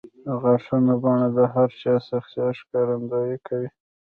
د غاښونو بڼه د هر چا د شخصیت ښکارندویي کوي.